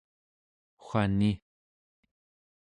wani